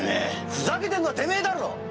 ふざけてんのはてめぇだろ！